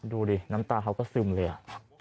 ดูสิน้ำตาเขาก็สึมเลย